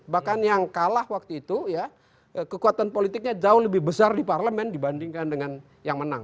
bahkan yang kalah waktu itu ya kekuatan politiknya jauh lebih besar di parlemen dibandingkan dengan yang menang